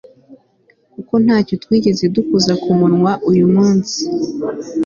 kuko nta cyo twigeze dukoza ku munwa uyu munsi